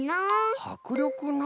はくりょくな。